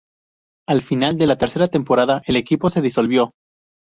Al final de la tercera temporada, el equipo se disolvió.